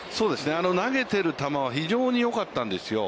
投げている球は、非常によかったんですよ。